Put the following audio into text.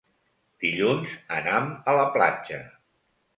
Dilluns anam a la platja.